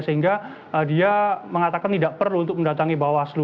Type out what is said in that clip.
sehingga dia mengatakan tidak perlu untuk mendatangi bawaslu